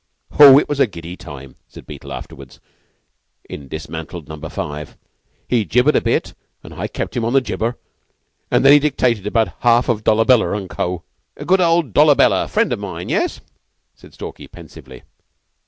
"Oh, it was a giddy time," said Beetle, afterwards, in dismantled Number Five. "He gibbered a bit, and I kept him on the gibber, and then he dictated about a half of Dolabella & Co." "Good old Dolabella! Friend of mine. Yes?" said Stalky, pensively.